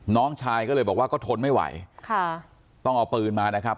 น้องชายก็เลยบอกว่าก็ทนไม่ไหวค่ะต้องเอาปืนมานะครับ